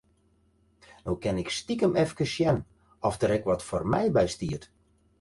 No kin ik stikem efkes sjen oft der ek wat foar my by stiet.